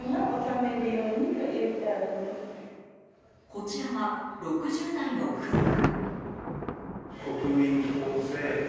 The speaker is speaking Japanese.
こちらは、６０代の夫婦。